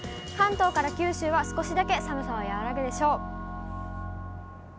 関東から九州は、少しだけ寒さは和らぐでしょう。